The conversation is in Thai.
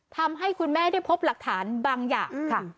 ทำให้คุณแม่ได้พบหลักฐานบางอย่างค่ะ